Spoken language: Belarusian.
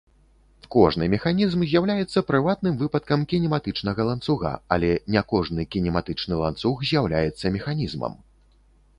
Кожны механізм з'яўляецца прыватным выпадкам кінематычнага ланцуга, але не кожны кінематычны ланцуг з'яўляецца механізмам.